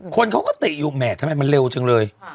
คนเขาก็ติอยู่แหมทำไมมันเร็วจังเลย